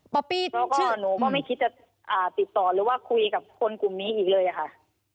เพราะว่าหนูก็ไม่คิดจะติดต่อหรือว่าคุยกับคนกลุ่มนี้อีกเลยอะค่ะ